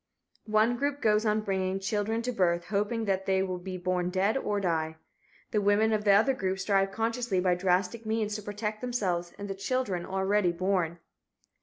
One group goes on bringing children to birth, hoping that they will be born dead or die. The women of the other group strive consciously by drastic means to protect themselves and the children already born.